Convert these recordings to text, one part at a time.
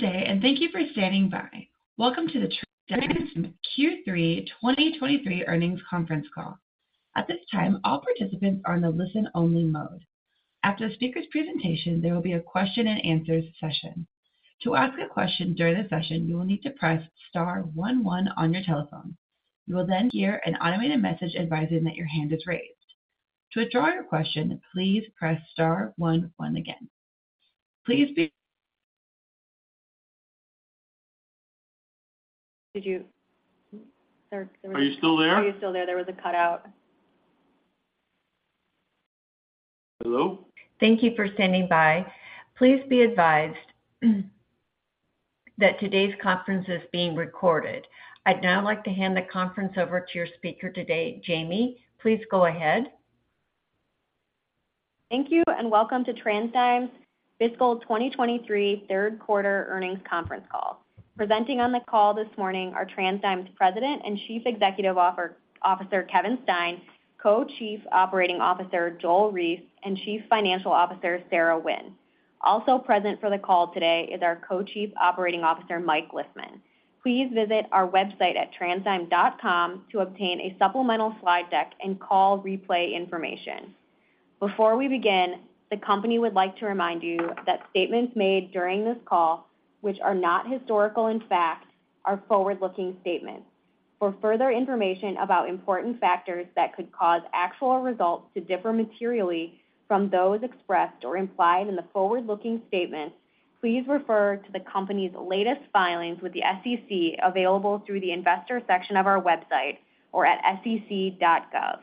Welcome to TransDigm's Fiscal 2023 third quarter earnings conference call. Presenting on the call this morning are TransDigm's President and Chief Executive Officer, Kevin Stein, Co-Chief Operating Officer, Joel Reiss, and Chief Financial Officer, Sarah Wynne. Also present for the call today is our Co-Chief Operating Officer, Mike Lisman. Please visit our website at transdigm.com to obtain a supplemental slide deck and call replay information. Before we begin, the company would like to remind you that statements made during this call, which are not historical in fact, are forward-looking statements. For further information about important factors that could cause actual results to differ materially from those expressed or implied in the forward-looking statements, please refer to the company's latest filings with the SEC, available through the Investors section of our website or at sec.gov.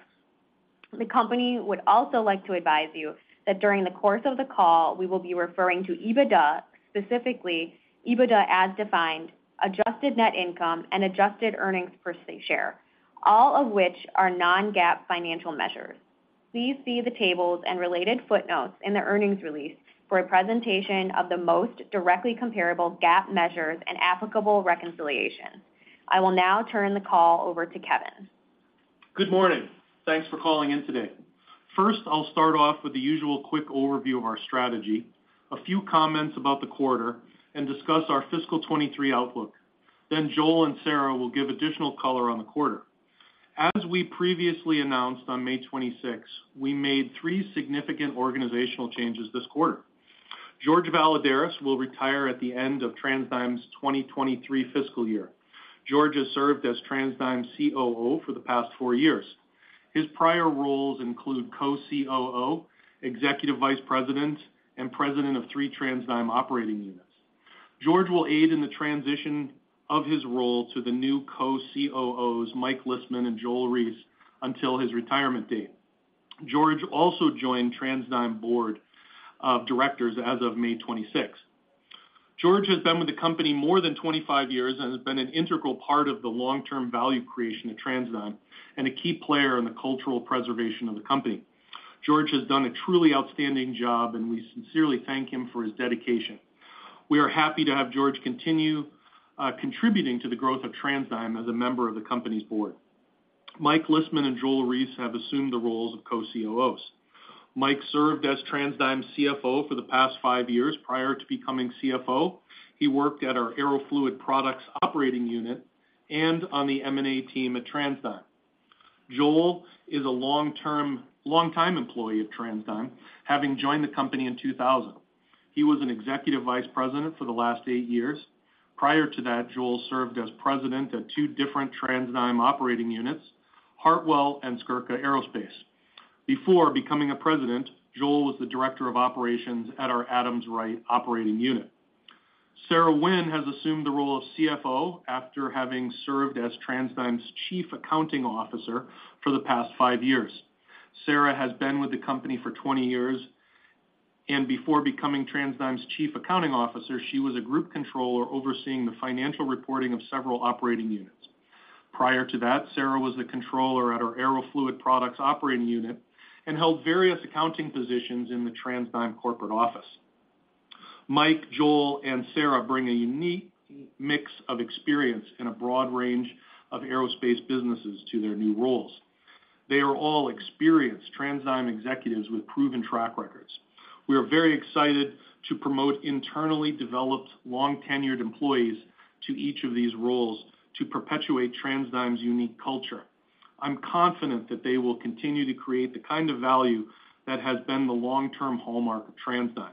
The company would also like to advise you that during the course of the call, we will be referring to EBITDA, specifically EBITDA As Defined, adjusted net income, and adjusted earnings per share, all of which are non-GAAP financial measures. Please see the tables and related footnotes in the earnings release for a presentation of the most directly comparable GAAP measures and applicable reconciliation. I will now turn the call over to Kevin. Good morning. Thanks for calling in today. First, I'll start off with the usual quick overview of our strategy, a few comments about the quarter, and discuss our fiscal 2023 outlook. Then Joel and Sarah will give additional color on the quarter. As we previously announced on May 26, we made three significant organizational changes this quarter. Jorge Valladares will retire at the end of TransDigm's 2023 fiscal year. Jorge has served as TransDigm's COO for the past four years. His prior roles include Co-COO, Executive Vice President, and President of three TransDigm operating units. Jorge will aid in the transition of his role to the new Co-COOs, Mike Lisman and Joel Reiss, until his retirement date. Jorge also joined TransDigm Board of Directors as of May 26. Jorge has been with the company more than 25 years and has been an integral part of the long-term value creation of TransDigm and a key player in the cultural preservation of the company. Jorge has done a truly outstanding job, and we sincerely thank him for his dedication. We are happy to have Jorge continue contributing to the growth of TransDigm as a member of the company's board. Mike Lisman and Joel Reiss have assumed the roles of Co-COOs. Mike served as TransDigm's CFO for the past five years. Prior to becoming CFO, he worked at our Aero Fluid Products operating unit and on the M&A team at TransDigm. Joel is a long-time employee of TransDigm, having joined the company in 2000. He was an Executive Vice President for the last eight years. Prior to that, Joel served as President at two different TransDigm operating units, Hartwell and Skurka Aerospace. Before becoming a President, Joel was the Director of Operations at our Adams Rite operating unit. Sarah Wynne has assumed the role of CFO after having served as TransDigm's Chief Accounting Officer for the past five years. Sarah has been with the company for 20 years, and before becoming TransDigm's Chief Accounting Officer, she was a Group Controller overseeing the financial reporting of several operating units. Prior to that, Sarah was the Controller at our Aero Fluid Products operating unit and held various accounting positions in the TransDigm corporate office. Mike, Joel, and Sarah bring a unique mix of experience in a broad range of aerospace businesses to their new roles. They are all experienced TransDigm executives with proven track records. We are very excited to promote internally developed, long-tenured employees to each of these roles to perpetuate TransDigm's unique culture. I'm confident that they will continue to create the kind of value that has been the long-term hallmark of TransDigm.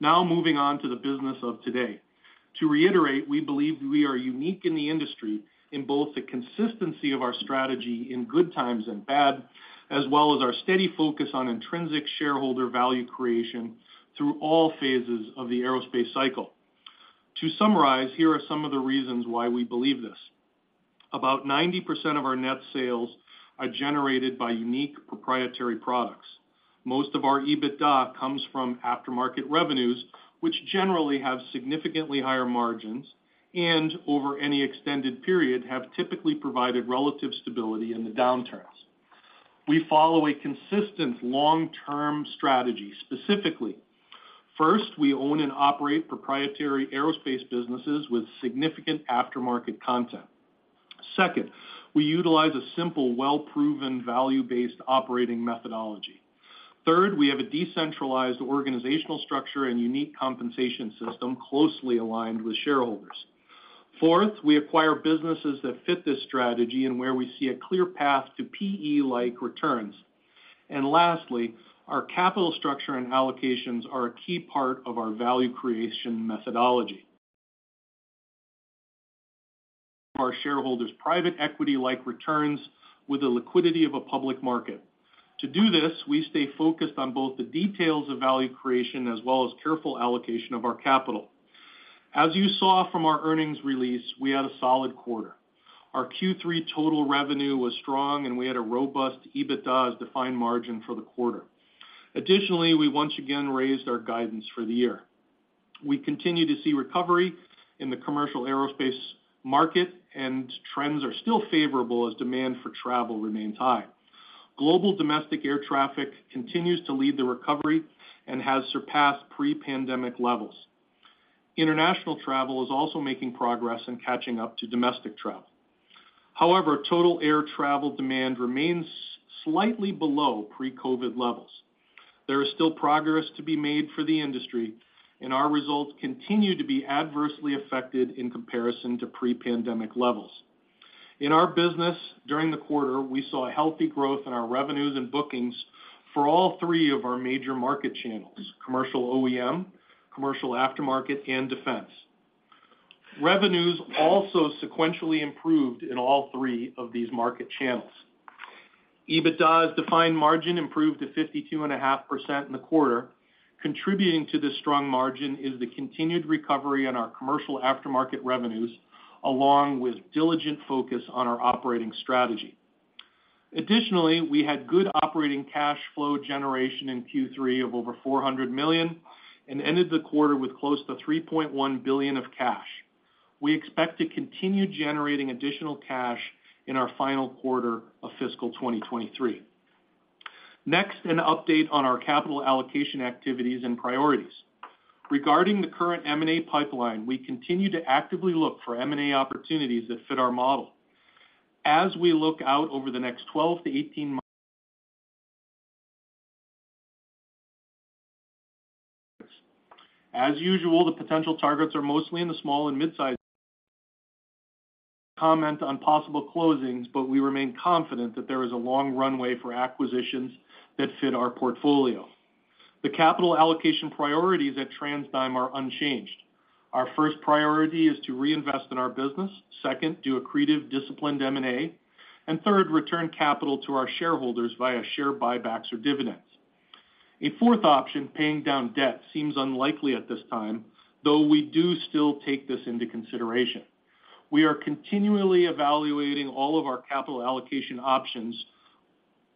Now, moving on to the business of today. To reiterate, we believe we are unique in the industry in both the consistency of our strategy in good times and bad, as well as our steady focus on intrinsic shareholder value creation through all phases of the aerospace cycle. To summarize, here are some of the reasons why we believe this. About 90% of our net sales are generated by unique proprietary products. Most of our EBITDA comes from aftermarket revenues, which generally have significantly higher margins and, over any extended period, have typically provided relative stability in the downturns. We follow a consistent long-term strategy, specifically: First, we own and operate proprietary aerospace businesses with significant aftermarket content. Second, we utilize a simple, well-proven, value-based operating methodology. Third, we have a decentralized organizational structure and unique compensation system closely aligned with shareholders. Fourth, we acquire businesses that fit this strategy and where we see a clear path to PE-like returns. Lastly, our capital structure and allocations are a key part of our value creation methodology. Our shareholders private equity-like returns with the liquidity of a public market. To do this, we stay focused on both the details of value creation as well as careful allocation of our capital. As you saw from our earnings release, we had a solid quarter. Our Q3 total revenue was strong, and we had a robust EBITDA As Defined margin for the quarter. Additionally, we once again raised our guidance for the year. We continue to see recovery in the commercial aerospace market, and trends are still favorable as demand for travel remains high. Global domestic air traffic continues to lead the recovery and has surpassed pre-pandemic levels. International travel is also making progress in catching up to domestic travel. However, total air travel demand remains slightly below pre-COVID levels. There is still progress to be made for the industry, and our results continue to be adversely affected in comparison to pre-pandemic levels. In our business, during the quarter, we saw a healthy growth in our revenues and bookings for all three of our major market channels, commercial OEM, commercial aftermarket, and defense. Revenues also sequentially improved in all three of these market channels. EBITDA's defined margin improved to 52.5% in the quarter. Contributing to this strong margin is the continued recovery in our commercial aftermarket revenues, along with diligent focus on our operating strategy. Additionally, we had good operating cash flow generation in Q3 of over $400 million and ended the quarter with close to $3.1 billion of cash. We expect to continue generating additional cash in our final quarter of Fiscal 2023. Next, an update on our capital allocation activities and priorities. Regarding the current M&A pipeline, we continue to actively look for M&A opportunities that fit our model. As we look out over the next 12 to 18 months, as usual, the potential targets are mostly in the small and midsize comment on possible closings, but we remain confident that there is a long runway for acquisitions that fit our portfolio. The capital allocation priorities at TransDigm are unchanged. Our first priority is to reinvest in our business, second, do accretive, disciplined M&A, and third, return capital to our shareholders via share buybacks or dividends. A fourth option, paying down debt, seems unlikely at this time, though we do still take this into consideration. We are continually evaluating all of our capital allocation options,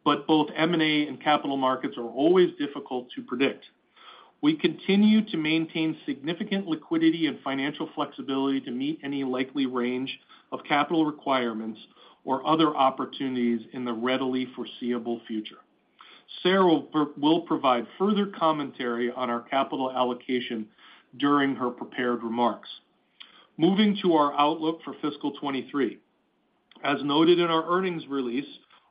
but both M&A and capital markets are always difficult to predict. We continue to maintain significant liquidity and financial flexibility to meet any likely range of capital requirements or other opportunities in the readily foreseeable future. Sarah will provide further commentary on our capital allocation during her prepared remarks. Moving to our outlook for Fiscal 2023. As noted in our earnings release,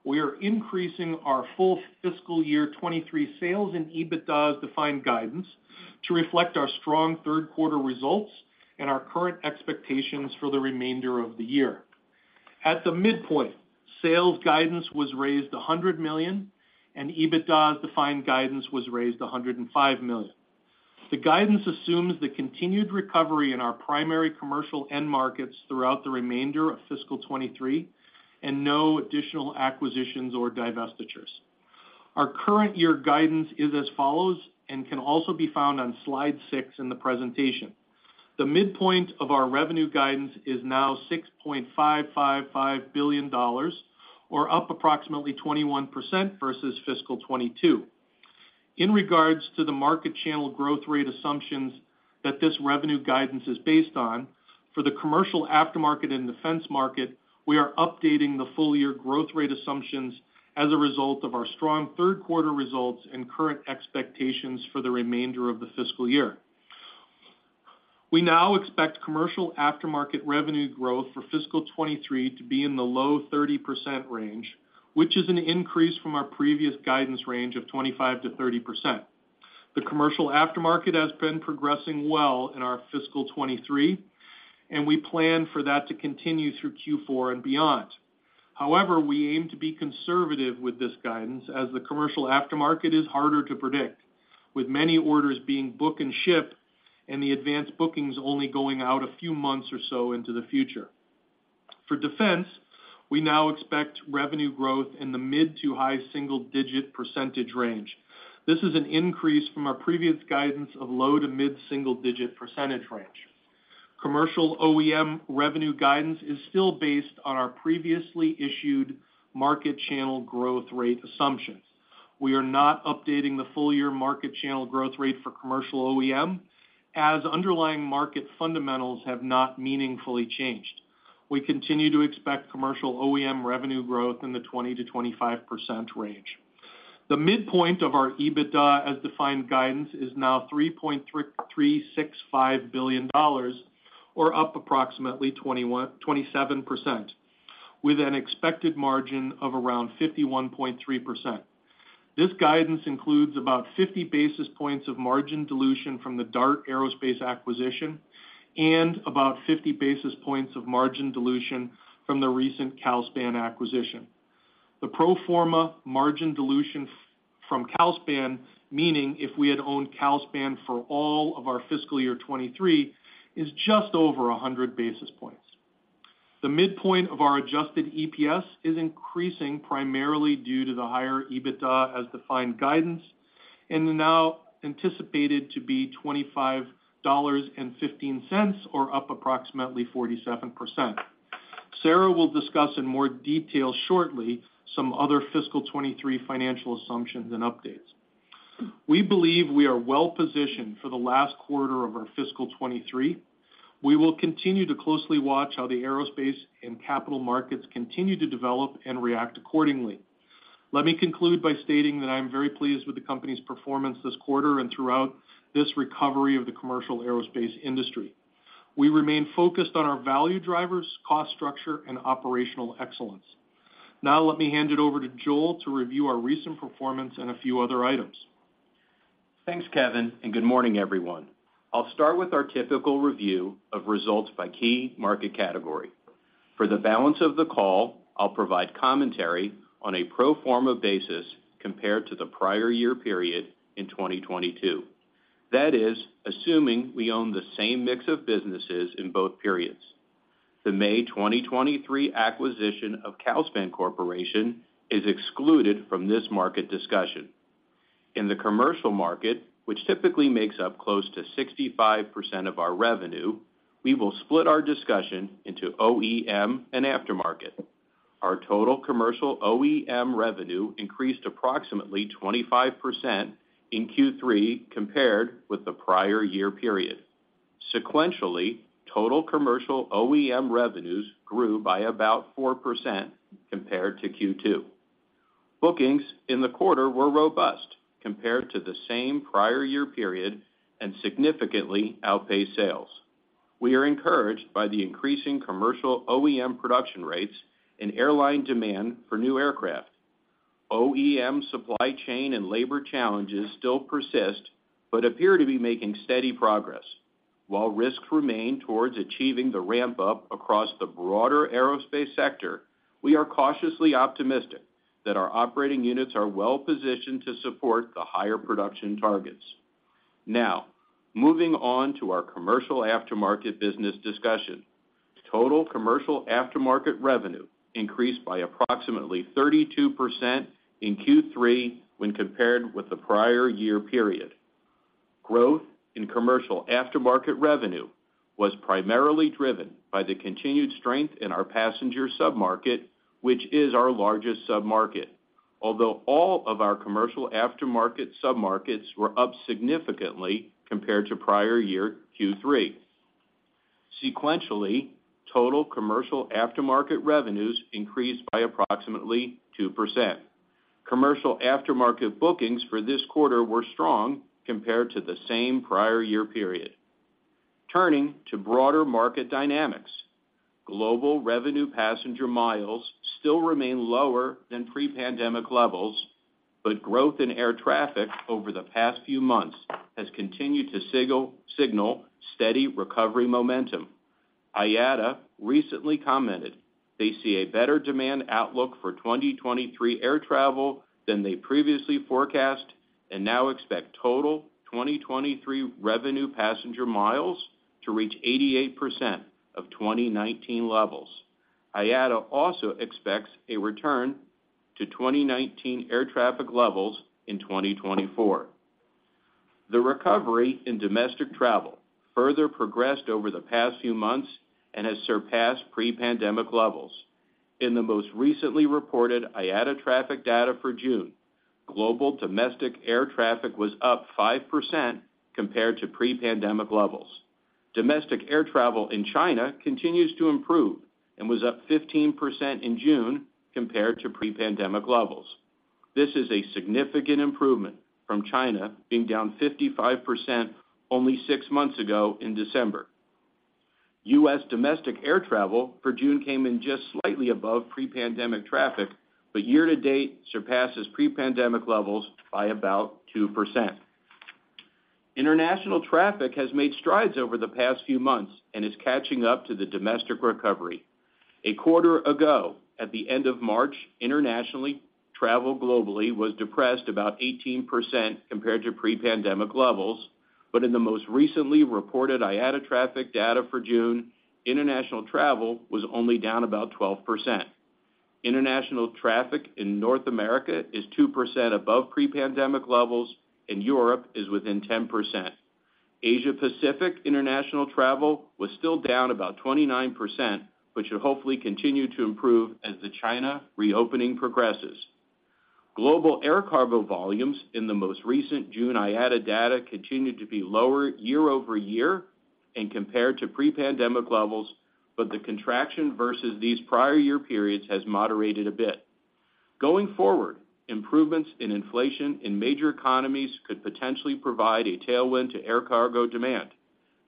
we are increasing our full Fiscal Year 2023 sales and EBITDA As Defined guidance to reflect our strong third quarter results and our current expectations for the remainder of the year. At the midpoint, sales guidance was raised $100 million, and EBITDA As Defined guidance was raised $105 million. The guidance assumes the continued recovery in our primary commercial end markets throughout the remainder of Fiscal 2023, and no additional acquisitions or divestitures. Our current year guidance is as follows, and can also be found on slide 6 in the presentation. The midpoint of our revenue guidance is now $6.555 billion, or up approximately 21% versus Fiscal 2022. In regards to the market channel growth rate assumptions that this revenue guidance is based on, for the commercial aftermarket and defense market, we are updating the full year growth rate assumptions as a result of our strong third quarter results and current expectations for the remainder of the fiscal year. We now expect commercial aftermarket revenue growth for Fiscal 2023 to be in the low 30% range, which is an increase from our previous guidance range of 25%-30%. The commercial aftermarket has been progressing well in our Fiscal 2023, and we plan for that to continue through Q4 and beyond. However, we aim to be conservative with this guidance as the commercial aftermarket is harder to predict, with many orders being book and ship, and the advanced bookings only going out a few months or so into the future. For defense, we now expect revenue growth in the mid-to-high single-digit percentage range. This is an increase from our previous guidance of low-to-mid single-digit percentage range. Commercial OEM revenue guidance is still based on our previously issued market channel growth rate assumptions. We are not updating the full year market channel growth rate for commercial OEM, as underlying market fundamentals have not meaningfully changed. We continue to expect commercial OEM revenue growth in the 20%-25% range. The midpoint of our EBITDA As Defined guidance is now $3.3365 billion, or up approximately 27%, with an expected margin of around 51.3%. This guidance includes about 50 basis points of margin dilution from the Dart Aerospace acquisition, and about 50 basis points of margin dilution from the recent Calspan acquisition. The pro forma margin dilution from Calspan, meaning if we had owned Calspan for all of our Fiscal 2023, is just over 100 basis points. The midpoint of our adjusted EPS is increasing primarily due to the higher EBITDA As Defined guidance, and are now anticipated to be $25.15, or up approximately 47%. Sarah will discuss in more detail shortly, some other Fiscal 2023 financial assumptions and updates. We believe we are well-positioned for the last quarter of our Fiscal 2023. We will continue to closely watch how the aerospace and capital markets continue to develop and react accordingly. Let me conclude by stating that I am very pleased with the company's performance this quarter and throughout this recovery of the commercial aerospace industry. We remain focused on our value drivers, cost structure, and operational excellence. Now let me hand it over to Joel to review our recent performance and a few other items. Thanks, Kevin. Good morning, everyone. I'll start with our typical review of results by key market category. For the balance of the call, I'll provide commentary on a pro forma basis compared to the prior year period in 2022. That is, assuming we own the same mix of businesses in both periods. The May 2023 acquisition of Calspan Corporation is excluded from this market discussion. In the commercial market, which typically makes up close to 65% of our revenue, we will split our discussion into OEM and aftermarket. Our total commercial OEM revenue increased approximately 25% in Q3 compared with the prior year period. Sequentially, total commercial OEM revenues grew by about 4% compared to Q2. Bookings in the quarter were robust compared to the same prior year period and significantly outpaced sales. We are encouraged by the increasing commercial OEM production rates and airline demand for new aircraft. OEM supply chain and labor challenges still persist, but appear to be making steady progress. While risks remain towards achieving the ramp-up across the broader aerospace sector, we are cautiously optimistic that our operating units are well-positioned to support the higher production targets. Now, moving on to our commercial aftermarket business discussion. Total commercial aftermarket revenue increased by approximately 32% in Q3 when compared with the prior-year period. Growth in commercial aftermarket revenue was primarily driven by the continued strength in our passenger sub-market, which is our largest sub-market, although all of our commercial aftermarket sub-markets were up significantly compared to prior-year Q3. Sequentially, total commercial aftermarket revenues increased by approximately 2%. Commercial aftermarket bookings for this quarter were strong compared to the same prior-year period. Turning to broader market dynamics, global revenue passenger miles still remain lower than pre-pandemic levels, but growth in air traffic over the past few months has continued to signal steady recovery momentum. IATA recently commented they see a better demand outlook for 2023 air travel than they previously forecast, and now expect total 2023 revenue passenger miles to reach 88% of 2019 levels. IATA also expects a return to 2019 air traffic levels in 2024. The recovery in domestic travel further progressed over the past few months and has surpassed pre-pandemic levels. In the most recently reported IATA traffic data for June, global domestic air traffic was up 5% compared to pre-pandemic levels. Domestic air travel in China continues to improve and was up 15% in June compared to pre-pandemic levels. This is a significant improvement from China being down 55% only six months ago in December. US domestic air travel for June came in just slightly above pre-pandemic traffic, but year to date surpasses pre-pandemic levels by about 2%. International traffic has made strides over the past few months and is catching up to the domestic recovery. A quarter ago, at the end of March, internationally, travel globally was depressed about 18% compared to pre-pandemic levels, but in the most recently reported IATA traffic data for June, international travel was only down about 12%. International traffic in North America is 2% above pre-pandemic levels, and Europe is within 10%. Asia-Pacific international travel was still down about 29%, but should hopefully continue to improve as the China reopening progresses. Global air cargo volumes in the most recent June IATA data continued to be lower year-over-year. Compared to pre-pandemic levels, but the contraction versus these prior year periods has moderated a bit. Going forward, improvements in inflation in major economies could potentially provide a tailwind to air cargo demand.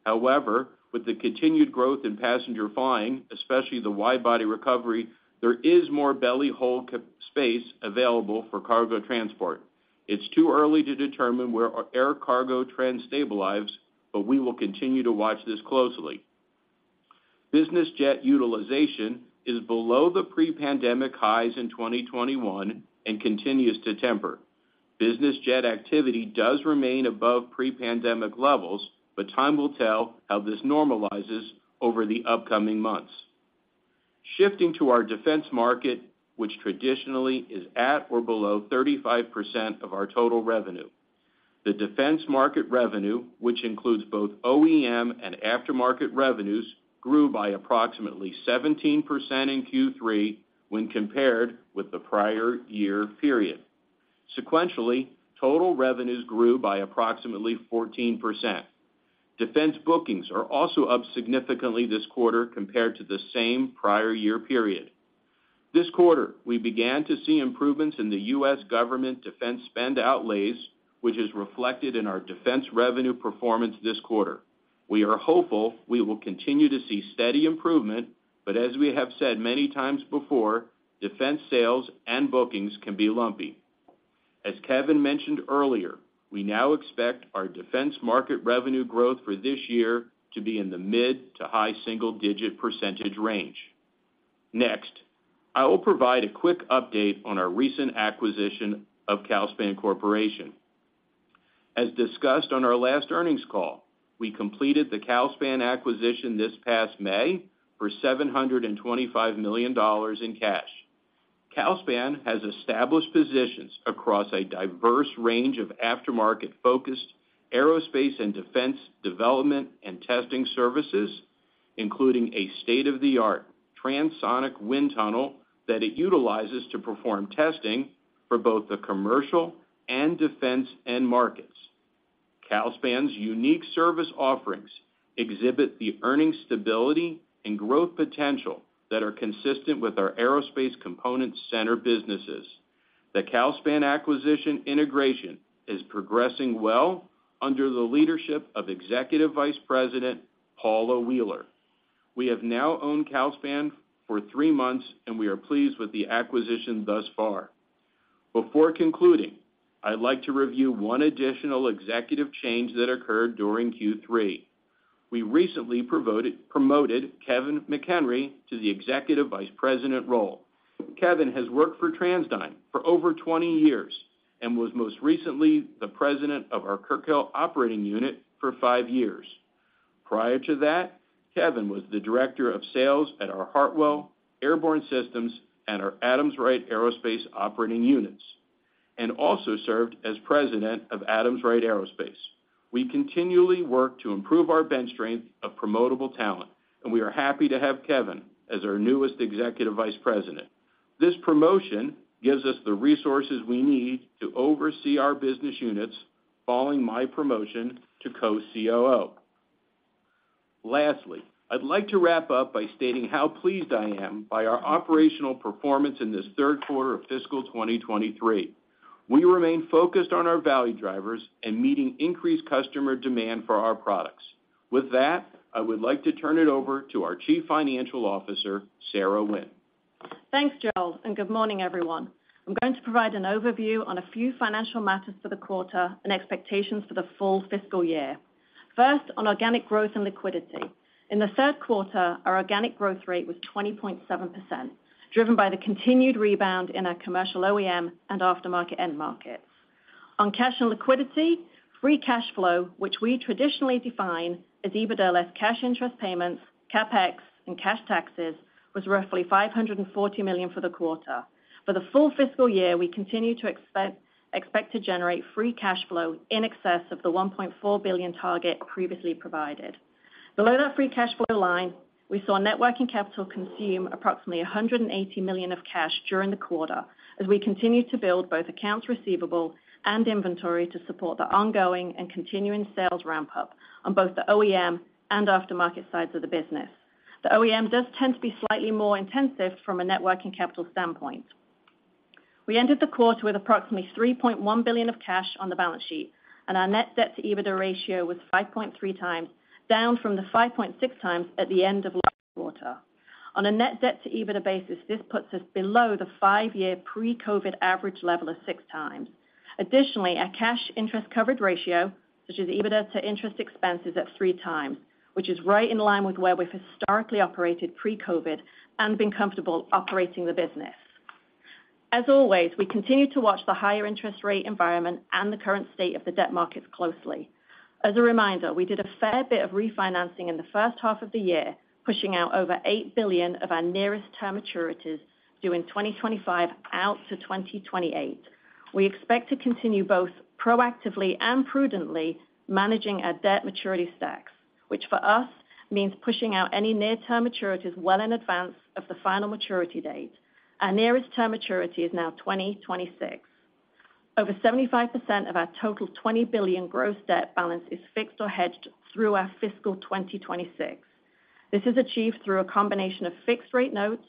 However, with the continued growth in passenger flying, especially the wide-body recovery, there is more belly hole space available for cargo transport. It's too early to determine where our air cargo trend stabilizes, but we will continue to watch this closely. Business jet utilization is below the pre-pandemic highs in 2021 and continues to temper. Business jet activity does remain above pre-pandemic levels, but time will tell how this normalizes over the upcoming months. Shifting to our defense market, which traditionally is at or below 35% of our total revenue. The defense market revenue, which includes both OEM and aftermarket revenues, grew by approximately 17% in Q3 when compared with the prior year period. Sequentially, total revenues grew by approximately 14%. Defense bookings are also up significantly this quarter compared to the same prior year period. This quarter, we began to see improvements in the U.S. government defense spend outlays, which is reflected in our defense revenue performance this quarter. We are hopeful we will continue to see steady improvement, but as we have said many times before, defense sales and bookings can be lumpy. As Kevin mentioned earlier, we now expect our defense market revenue growth for this year to be in the mid to high single-digit % range. Next, I will provide a quick update on our recent acquisition of Calspan Corporation. As discussed on our last earnings call, we completed the Calspan acquisition this past May for $725 million in cash. Calspan has established positions across a diverse range of aftermarket-focused aerospace and defense development and testing services, including a state-of-the-art transonic wind tunnel that it utilizes to perform testing for both the commercial and defense end markets. Calspan's unique service offerings exhibit the earning stability and growth potential that are consistent with our aerospace component center businesses. The Calspan acquisition integration is progressing well under the leadership of Executive Vice President, Paula Wheeler. We have now owned Calspan for three months, and we are pleased with the acquisition thus far. Before concluding, I'd like to review one additional executive change that occurred during Q3. We recently promoted Kevin McHenry to the executive vice president role. Kevin has worked for TransDigm for over 20 years and was most recently the president of our Skurka Aerospace operating unit for five years. Prior to that, Kevin was the director of sales at our Hartwell Corporation and our Adams Rite Aerospace operating units, and also served as president of Adams Rite Aerospace. We continually work to improve our bench strength of promotable talent, and we are happy to have Kevin as our newest executive vice president. This promotion gives us the resources we need to oversee our business units following my promotion to Co-COO. Lastly, I'd like to wrap up by stating how pleased I am by our operational performance in this third quarter of Fiscal 2023. We remain focused on our value drivers and meeting increased customer demand for our products. With that, I would like to turn it over to our Chief Financial Officer, Sarah Wynne. Thanks, Joel. Good morning, everyone. I'm going to provide an overview on a few financial matters for the quarter and expectations for the full fiscal year. First, on organic growth and liquidity. In the third quarter, our organic growth rate was 20.7%, driven by the continued rebound in our commercial OEM and aftermarket end markets. On cash and liquidity, free cash flow, which we traditionally define as EBITDA less cash interest payments, CapEx, and cash taxes, was roughly $540 million for the quarter. For the full fiscal year, we continue to expect to generate free cash flow in excess of the $1.4 billion target previously provided. Below that free cash flow line, we saw net working capital consume approximately $180 million of cash during the quarter, as we continued to build both accounts receivable and inventory to support the ongoing and continuing sales ramp-up on both the OEM and aftermarket sides of the business. The OEM does tend to be slightly more intensive from a net working capital standpoint. We ended the quarter with approximately $3.1 billion of cash on the balance sheet, and our net debt to EBITDA ratio was 5.3x, down from the 5.6x at the end of last quarter. On a net debt to EBITDA basis, this puts us below the five-year pre-COVID average level of 6x. Additionally, our cash interest coverage ratio, such as EBITDA to interest expenses, at 3x, which is right in line with where we've historically operated pre-COVID and been comfortable operating the business. As always, we continue to watch the higher interest rate environment and the current state of the debt markets closely. As a reminder, we did a fair bit of refinancing in the first half of the year, pushing out over $8 billion of our nearest term maturities, due in 2025 out to 2028. We expect to continue both proactively and prudently managing our debt maturity stacks, which for us, means pushing out any near-term maturities well in advance of the final maturity date. Our nearest term maturity is now 2026. Over 75% of our total $20 billion gross debt balance is fixed or hedged through our Fiscal 2026. This is achieved through a combination of fixed rate notes,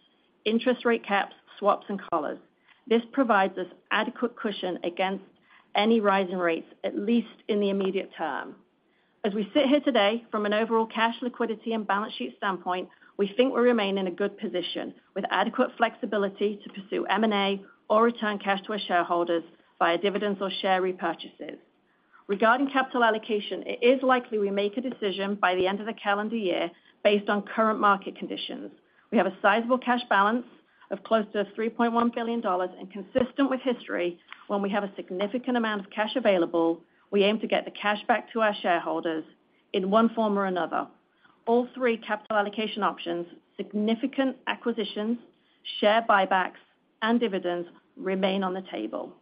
interest rate caps, swaps, and collars. This provides us adequate cushion against any rising rates, at least in the immediate term. As we sit here today, from an overall cash liquidity and balance sheet standpoint, we think we remain in a good position, with adequate flexibility to pursue M&A or return cash to our shareholders via dividends or share repurchases. Regarding capital allocation, it is likely we make a decision by the end of the calendar year based on current market conditions. We have a sizable cash balance of close to $3.1 billion. Consistent with history, when we have a significant amount of cash available, we aim to get the cash back to our shareholders in one form or another. All three capital allocation options, significant acquisitions, share buybacks, and dividends, remain on the table.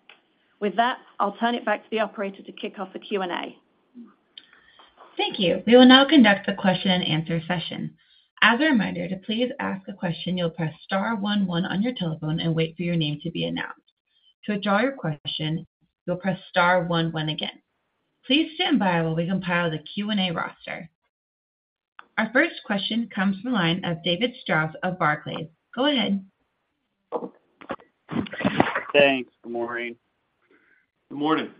With that, I'll turn it back to the operator to kick off the Q&A. Thank you. We will now conduct the question-and-answer session. As a reminder, to please ask a question, you'll press star one, one on your telephone and wait for your name to be announced. To withdraw your question, you'll press star one, one again. Please stand by while we compile the Q&A roster. Our first question comes from the line of David Strauss of Barclays. Go ahead. Thanks. Good morning. Good morning. Good morning.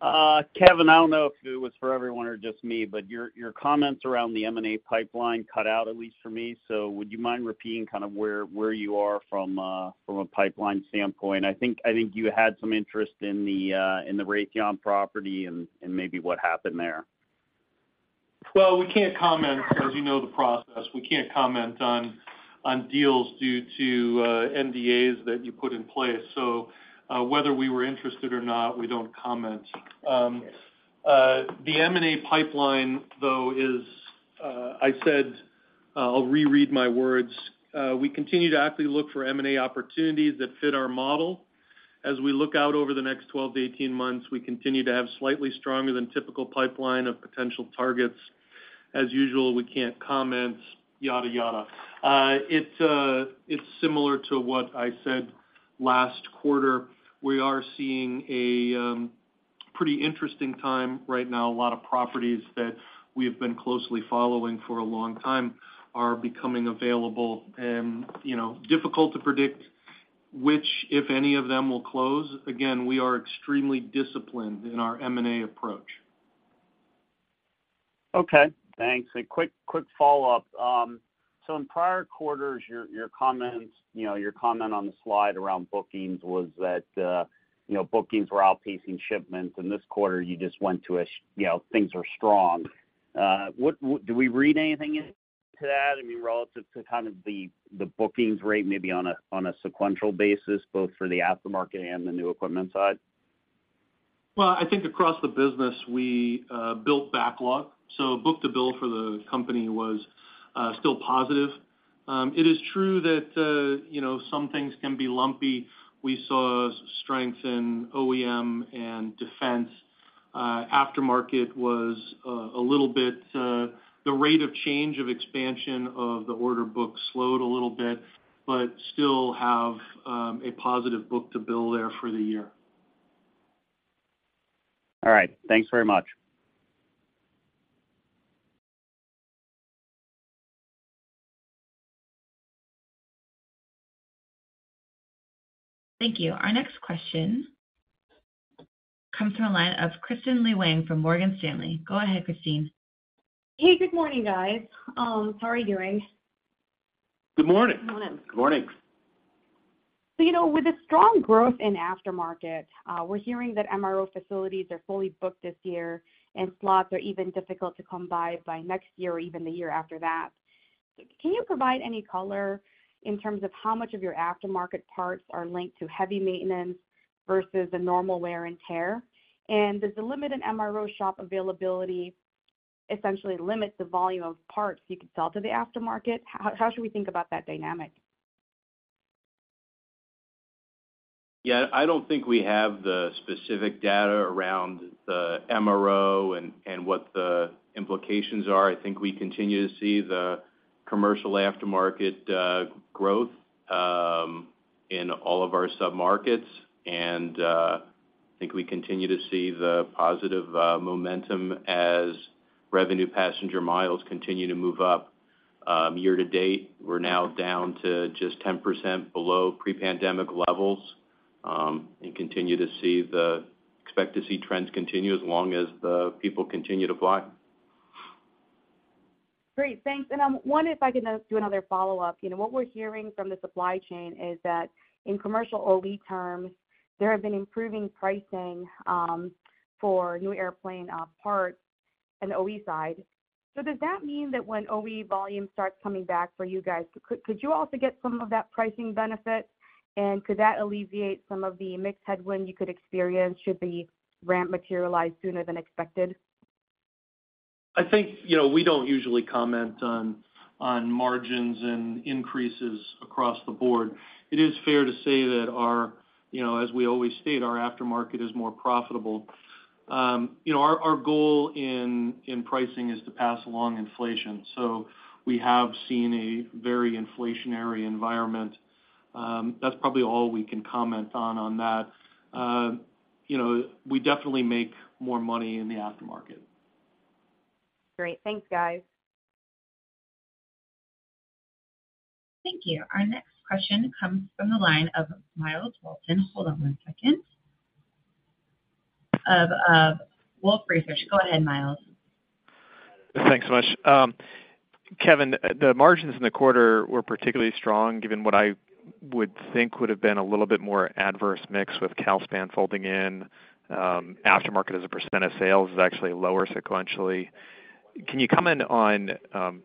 Kevin, I don't know if it was for everyone or just me, your, your comments around the M&A pipeline cut out, at least for me. Would you mind repeating kind of where, where you are from, from a pipeline standpoint? I think, I think you had some interest in the, in the Raytheon property and, and maybe what happened there. Well, we can't comment, as you know, the process. We can't comment on, on deals due to NDAs that you put in place. Whether we were interested or not, we don't comment. The M&A pipeline, though, is, I said, I'll reread my words. We continue to actively look for M&A opportunities that fit our model. As we look out over the next 12 to 18 months, we continue to have slightly stronger than typical pipeline of potential targets. As usual, we can't comment, yada, yada. It's, it's similar to what I said last quarter. We are seeing a pretty interesting time right now. A lot of properties that we have been closely following for a long time are becoming available and, you know, difficult to predict which, if any, of them will close. Again, we are extremely disciplined in our M&A approach. Okay, thanks. A quick follow-up. In prior quarters, your, your comments, you know, your comment on the slide around bookings was that, you know, bookings were outpacing shipments, and this quarter you just went to a, you know, things are strong. What do we read anything into that? I mean, relative to kind of the, the bookings rate, maybe on a, on a sequential basis, both for the aftermarket and the new equipment side. Well, I think across the business, we built backlog. Book-to-bill for the company was still positive. It is true that, you know, some things can be lumpy. We saw strength in OEM and defense. Aftermarket was a little bit, the rate of change of expansion of the order book slowed a little bit. Still have a positive book-to-build there for the year. All right. Thanks very much. Thank you. Our next question comes from the line of Kristine Liwag from Morgan Stanley. Go ahead, Kristine. Hey, good morning, guys. How are you doing? Good morning. Good morning. Good morning. You know, with the strong growth in aftermarket, we're hearing that MRO facilities are fully booked this year, and slots are even difficult to come by by next year or even the year after that. Can you provide any color in terms of how much of your aftermarket parts are linked to heavy maintenance versus the normal wear and tear? And does the limited MRO shop availability essentially limit the volume of parts you could sell to the aftermarket? How, how should we think about that dynamic? Yeah, I don't think we have the specific data around the MRO and, and what the implications are. I think we continue to see the commercial aftermarket growth in all of our submarkets. I think we continue to see the positive momentum as revenue passenger miles continue to move up. Year to date, we're now down to just 10% below pre-pandemic levels and continue to expect to see trends continue as long as the people continue to fly. Great, thanks. One, if I could just do another follow-up. You know, what we're hearing from the supply chain is that in commercial OE terms, there have been improving pricing for new airplane parts in the OE side. Does that mean that when OE volume starts coming back for you guys, could, could you also get some of that pricing benefit? Could that alleviate some of the mixed headwinds you could experience should the ramp materialize sooner than expected? I think, you know, we don't usually comment on, on margins and increases across the board. It is fair to say that our, you know, as we always state, our aftermarket is more profitable. You know, our, our goal in, in pricing is to pass along inflation. We have seen a very inflationary environment. That's probably all we can comment on, on that. You know, we definitely make more money in the aftermarket. Great. Thanks, guys. Thank you. Our next question comes from the line of Miles Walton. Hold on one second. Of Wolfe Research. Go ahead, Miles. Thanks so much. Kevin, the margins in the quarter were particularly strong, given what I would think would have been a little bit more adverse mix with Calspan folding in, aftermarket as a percent of sales is actually lower sequentially. Can you comment on,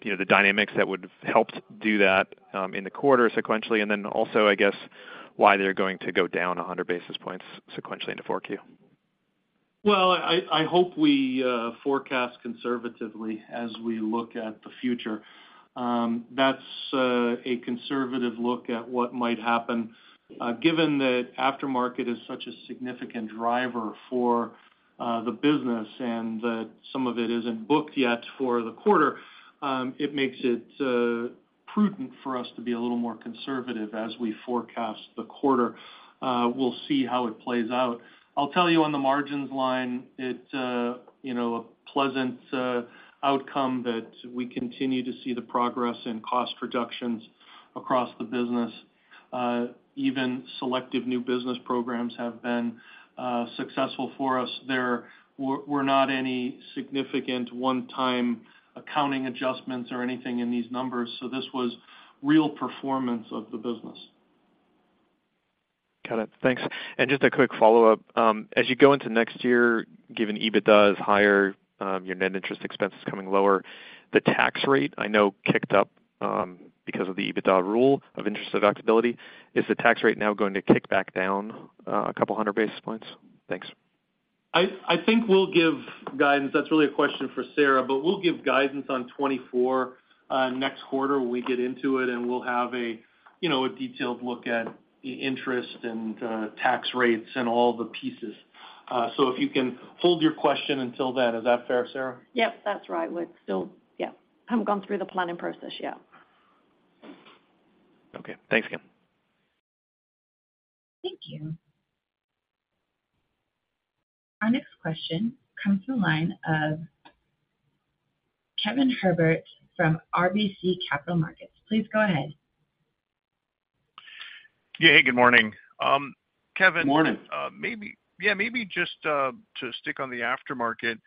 you know, the dynamics that would help do that in the quarter sequentially? Also, I guess, why they're going to go down 100 basis points sequentially into 4Q? Well, I hope we, forecast conservatively as we look at the future. That's, a conservative look at what might happen. Given that aftermarket is such a significant driver for, the business and that some of it isn't booked yet for the quarter, it makes it, prudent for us to be a little more conservative as we forecast the quarter. We'll see how it plays out. I'll tell you on the margins line, it's a, you know, a pleasant, outcome that we continue to see the progress in cost reductions across the business. Even selective new business programs have been, successful for us. There were, were not any significant one-time accounting adjustments or anything in these numbers, so this was real performance of the business. Got it. Thanks. Just a quick follow-up. As you go into next year, given EBITDA is higher, your net interest expense is coming lower, the tax rate, I know, kicked up, because of the EBITDA rule of interest deductibility. Is the tax rate now going to kick back down, a couple hundred basis points? Thanks. I think we'll give guidance. That's really a question for Sarah, but we'll give guidance on 2024 next quarter when we get into it, and we'll have a, you know, a detailed look at the interest and tax rates and all the pieces. If you can hold your question until then, is that fair, Sarah? Yep, that's right. We're still, yeah, haven't gone through the planning process yet. Okay, thanks again. Thank you. Our next question comes from the line of Ken Herbert from RBC Capital Markets. Please go ahead. Yeah, hey, good morning. Kevin. Morning. Maybe, maybe just to stick on the aftermarket.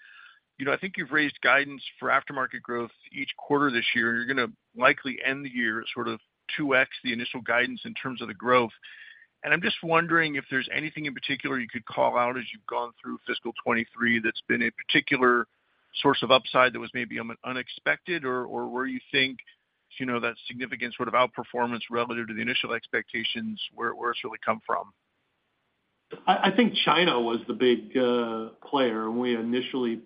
You know, I think you've raised guidance for aftermarket growth each quarter this year. You're gonna likely end the year at sort of 2x the initial guidance in terms of the growth. I'm just wondering if there's anything in particular you could call out as you've gone through Fiscal 2023 that's been a particular source of upside that was maybe unexpected, or where you think, you know, that significant sort of outperformance relative to the initial expectations, where, where's it really come from? I think China was the big player. When we initially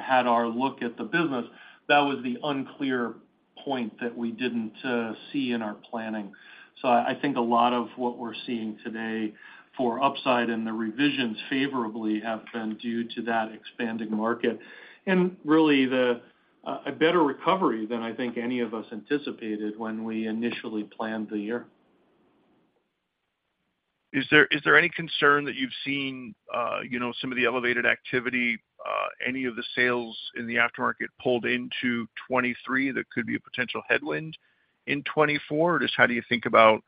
had our look at the business, that was the unclear point that we didn't see in our planning. I think a lot of what we're seeing today for upside and the revisions favorably have been due to that expanding market. Really, the a better recovery than I think any of us anticipated when we initially planned the year. Is there, is there any concern that you've seen, you know, some of the elevated activity, any of the sales in the aftermarket pulled into 2023 that could be a potential headwind in 2024? Just how do you think about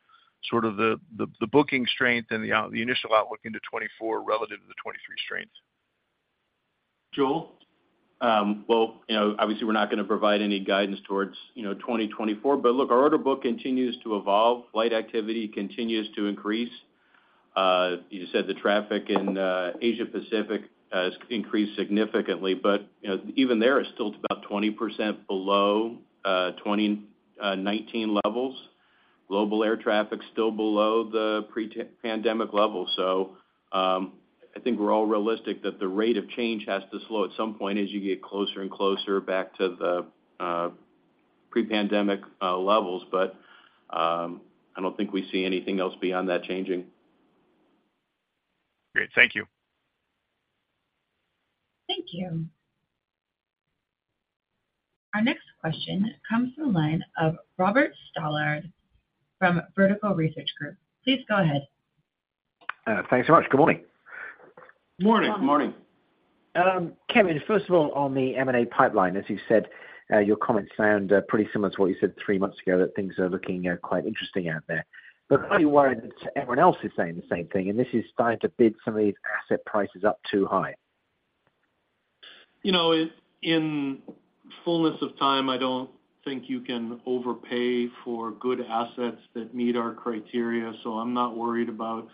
sort of the, the, the booking strength and the initial outlook into 2024 relative to the 2023 strength? Joel? Obviously, you know, we're not going to provide any guidance towards 2024. Look, our order book continues to evolve. Flight activity continues to increase. You just said the traffic in Asia Pacific has increased significantly, but, you know, even there, it's still about 20% below 2019 levels. Global air traffic is still below the pre-pandemic level. I think we're all realistic that the rate of change has to slow at some point as you get closer and closer back to the pre-pandemic levels. I don't think we see anything else beyond that changing. Great. Thank you. Thank you. Our next question comes from the line of Robert Stallard from Vertical Research Group. Please go ahead. Thanks so much. Good morning. Morning. Good morning. Kevin, first of all, on the M&A pipeline, as you said, your comments sound pretty similar to what you said three months ago, that things are looking quite interesting out there. I'm pretty worried that everyone else is saying the same thing, and this is starting to bid some of these asset prices up too high. You know, in fullness of time, I don't think you can overpay for good assets that meet our criteria, so I'm not worried about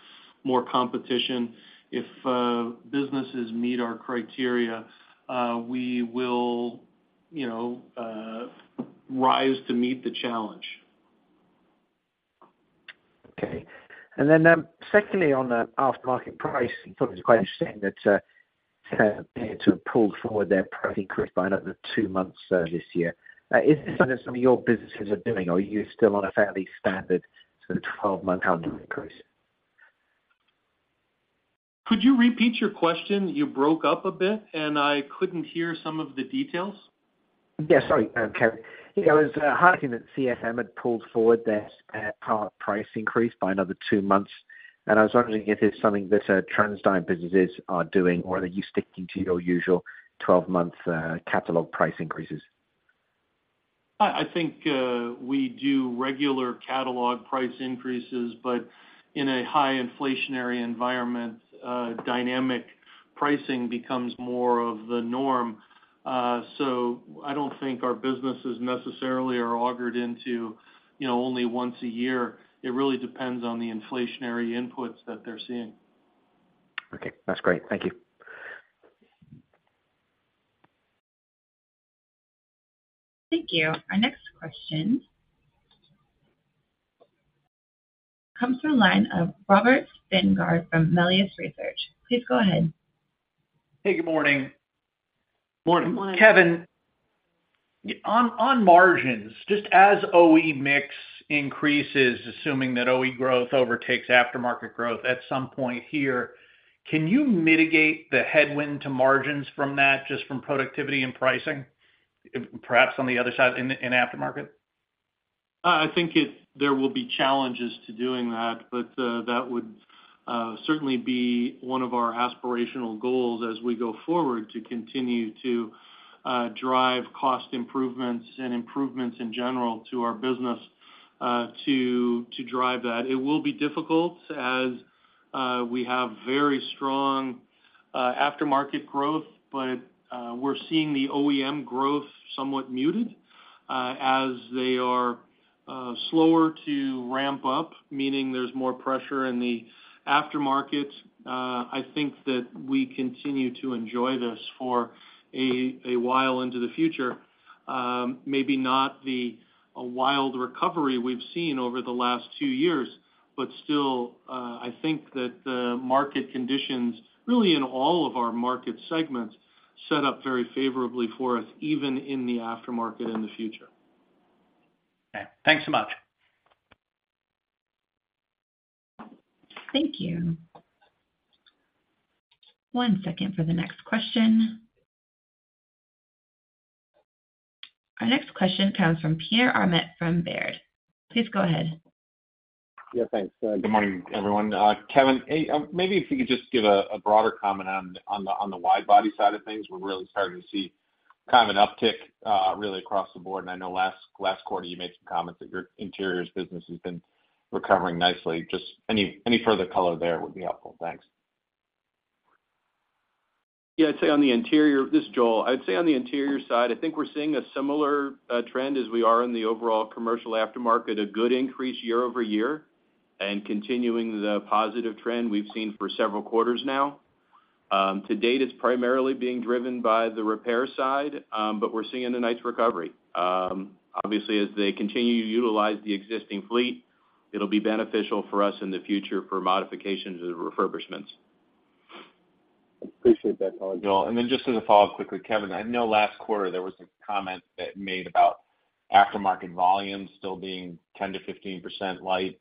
more competition. If businesses meet our criteria, we will, you know, rise to meet the challenge. Okay. Then, secondly, on the aftermarket price, I thought it was quite interesting that they appeared to have pulled forward their profit increase by another two months this year. Is this something some of your businesses are doing, or are you still on a fairly standard sort of 12-month outlook increase? Could you repeat your question? You broke up a bit, and I couldn't hear some of the details. Yeah, sorry, Kevin. I was highlighting that CFM had pulled forward their spare part price increase by another two months, and I was wondering if it's something that TransDigm businesses are doing, or are you sticking to your usual 12-month catalog price increases? I think, we do regular catalog price increases, but in a high inflationary environment, dynamic pricing becomes more of the norm. I don't think our businesses necessarily are augured into, you know, only once a year. It really depends on the inflationary inputs that they're seeing. Okay, that's great. Thank you. Thank you. Our next question comes through the line of Robert Spingarn from Melius Research. Please go ahead. Hey, good morning. Morning. Good morning. Kevin, on margins, just as OE mix increases, assuming that OE growth overtakes aftermarket growth at some point here, can you mitigate the headwind to margins from that, just from productivity and pricing, perhaps on the other side, in aftermarket? I think there will be challenges to doing that, but that would certainly be one of our aspirational goals as we go forward, to continue to drive cost improvements and improvements in general to our business, to drive that. It will be difficult, as we have very strong aftermarket growth, but we're seeing the OEM growth somewhat muted, as they are slower to ramp up, meaning there's more pressure in the aftermarket. I think that we continue to enjoy this for a while into the future. Maybe not the wild recovery we've seen over the last two years, but still, I think that the market conditions, really in all of our market segments, set up very favorably for us, even in the aftermarket in the future. Okay, thanks so much. Thank you. One second for the next question. Our next question comes from Peter Arment from Baird. Please go ahead. Yeah, thanks. Good morning, everyone. Kevin, hey, maybe if you could just give a, a broader comment on the body side of things. We're really starting to see kind of an uptick, really, across the board. I know last, last quarter, you made some comments that your interiors business has been recovering nicely. Just any, any further color there would be helpful. Thanks. Yeah. This is Joel. I'd say on the interior side, I think we're seeing a similar trend as we are in the overall commercial aftermarket, a good increase year-over-year and continuing the positive trend we've seen for several quarters now. To date, it's primarily being driven by the repair side, but we're seeing a nice recovery. Obviously, as they continue to utilize the existing fleet, it'll be beneficial for us in the future for modifications and refurbishments. Appreciate that color, Joel. Then just as a follow-up quickly, Kevin, I know last quarter there was a comment that made about aftermarket volumes still being 10%-15% light.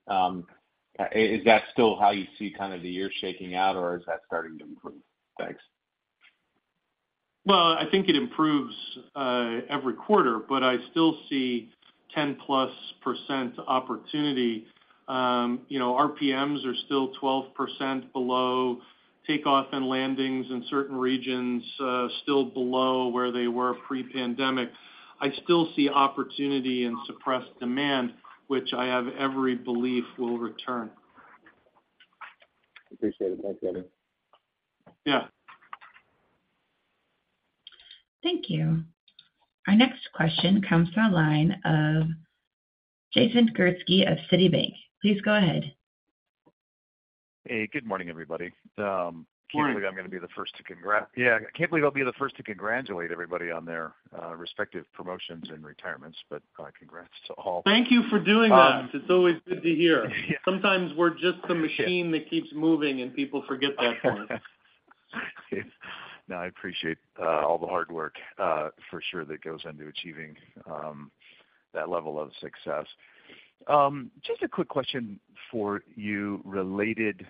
Is that still how you see kind of the year shaking out, or is that starting to improve? Thanks. Well, I think it improves, every quarter, but I still see 10+% opportunity. You know, RPMs are still 12% below takeoff and landings in certain regions, still below where they were pre-pandemic. I still see opportunity and suppressed demand, which I have every belief will return. Appreciate it. Thanks, Kevin. Yeah. Thank you. Our next question comes from the line of Jason Gursky of Citigroup. Please go ahead. Hey, good morning, everybody. Morning. Yeah, I can't believe I'll be the first to congratulate everybody on their respective promotions and retirements. Congrats to all. Thank you for doing that. Um It's always good to hear. Yeah. Sometimes we're just a machine that keeps moving, and people forget that part. No, I appreciate all the hard work for sure, that goes into achieving that level of success. Just a quick question for you related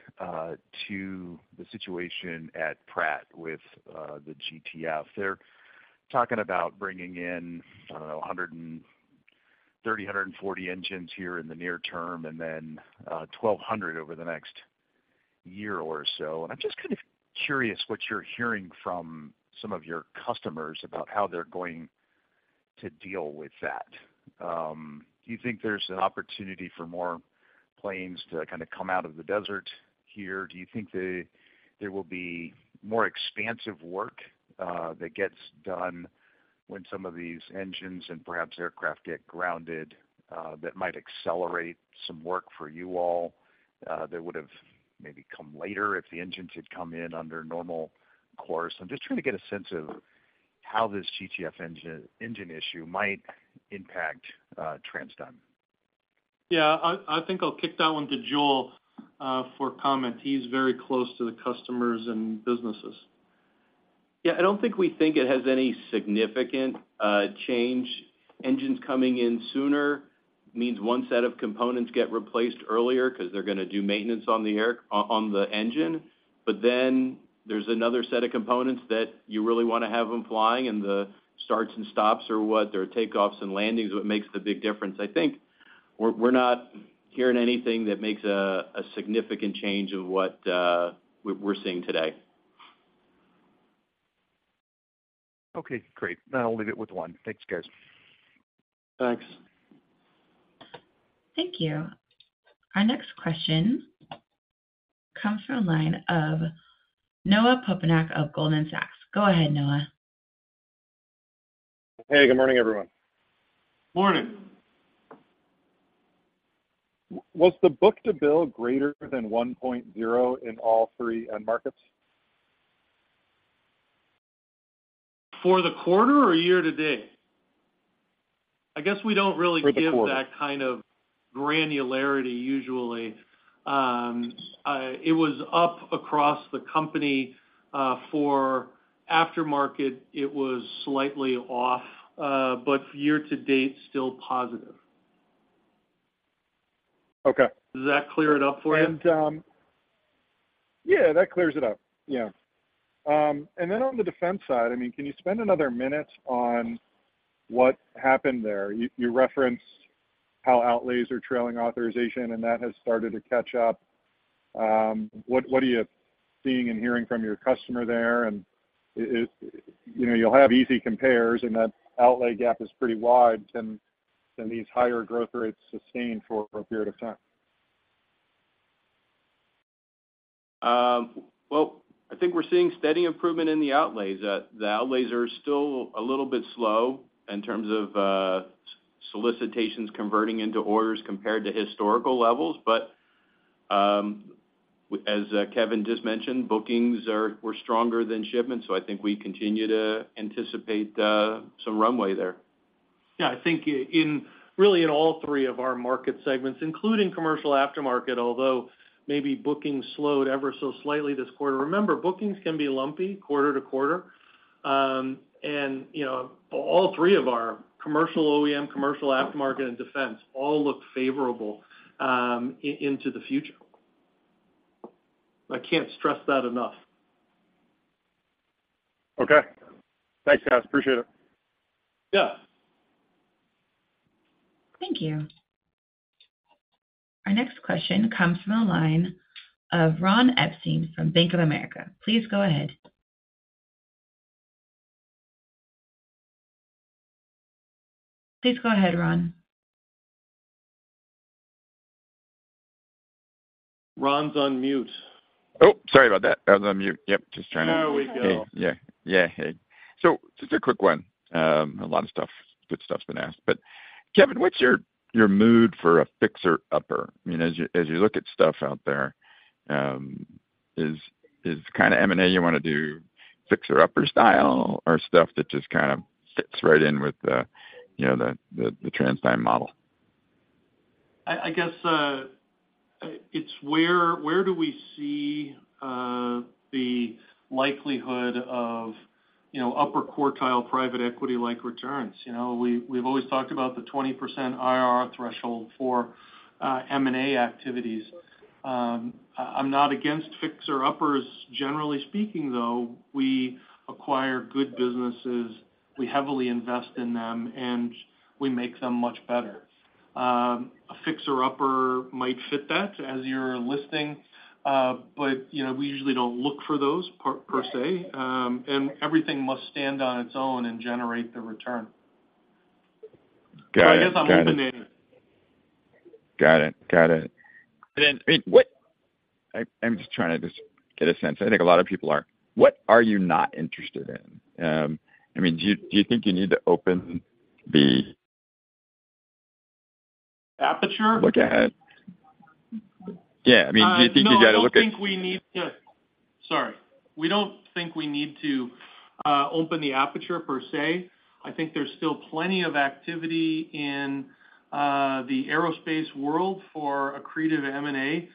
to the situation at Pratt with the GTF. They're talking about bringing in, I don't know, 130-140 engines here in the near term, and then 1,200 over the next year or so. I'm just kind of curious what you're hearing from some of your customers about how they're going to deal with that. Do you think there's an opportunity for more planes to kind of come out of the desert here? Do you think that there will be more expansive work that gets done when some of these engines and perhaps aircraft get grounded that might accelerate some work for you all that would've maybe come later if the engines had come in under normal course? I'm just trying to get a sense of how this GTF engine, engine issue might impact TransDigm. Yeah, I think I'll kick that one to Joel, for comment. He's very close to the customers and businesses. Yeah, I don't think we think it has any significant change. Engines coming in sooner means one set of components get replaced earlier because they're gonna do maintenance on the engine. Then there's another set of components that you really want to have them flying, and the starts and stops are what their takeoffs and landings, is what makes the big difference. I think we're, we're not hearing anything that makes a significant change of what we're, we're seeing today. Okay, great. I'll leave it with one. Thanks, guys. Thanks. Thank you. Our next question comes from a line of Noah Poponak of Goldman Sachs. Go ahead, Noah. Hey, good morning, everyone. Morning! Was the book to bill greater than 1.0 in all three end markets? For the quarter or year to date? I guess we don't really give that kind of granularity usually. It was up across the company. For aftermarket, it was slightly off, but year to date, still positive. Okay. Does that clear it up for you? Yeah, that clears it up. Yeah. Then on the defense side, I mean, can you spend another minute on what happened there? You, you referenced how outlays are trailing authorization, and that has started to catch up. What, what are you seeing and hearing from your customer there? You know, you'll have easy compares, and that outlay gap is pretty wide. Can these higher growth rates sustain for a period of time? Well, I think we're seeing steady improvement in the outlays. The outlays are still a little bit slow in terms of solicitations converting into orders compared to historical levels. As Kevin just mentioned, bookings were stronger than shipments, so I think we continue to anticipate some runway there. Yeah, I think in, really, in all three of our market segments, including commercial aftermarket, although maybe bookings slowed ever so slightly this quarter. Remember, bookings can be lumpy quarter to quarter. You know, all three of our commercial OEM, commercial aftermarket, and defense, all look favorable into the future. I can't stress that enough. Okay. Thanks, guys. Appreciate it. Yeah. Thank you. Our next question comes from the line of Ron Epstein from Bank of America. Please go ahead. Please go ahead, Ron. Ron's on mute. Oh, sorry about that. I was on mute. Yep, just trying to- There we go. Yeah. Yeah, hey. Just a quick one. A lot of stuff, good stuff's been asked. Kevin, what's your, your mood for a fixer-upper? I mean, as you, as you look at stuff out there, is, is kind of M&A, you want to do fixer-upper style or stuff that just kind of fits right in with the, you know, the, the TransDigm model? I guess, it's where, where do we see, the likelihood of, you know, upper quartile private equity-like returns? You know, we, we've always talked about the 20% IRR threshold for M&A activities. I'm not against fixer-uppers. Generally speaking, though, we acquire good businesses, we heavily invest in them, and we make them much better. A fixer-upper might fit that as you're listing, but, you know, we usually don't look for those per, per se. Everything must stand on its own and generate the return. Got it. I guess I'm open-ended. Got it. Then, I mean, I, I'm just trying to just get a sense. I think a lot of people are, what are you not interested in? I mean, do you, do you think you need to open the. Aperture? Look ahead? Yeah, I mean, do you think you got to look at- No, I don't think we need to... Sorry. We don't think we need to open the aperture per se. I think there's still plenty of activity in the aerospace world for accretive M&A.